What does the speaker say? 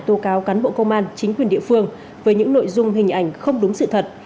tố cáo cán bộ công an chính quyền địa phương với những nội dung hình ảnh không đúng sự thật